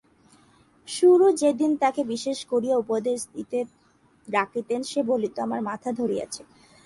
গুরু যেদিন তাকে বিশেষ করিয়া উপদেশ দিতে ডাকিতেন সে বলিত, আমার মাথা ধরিয়াছে।